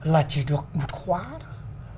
là chỉ được một khóa thôi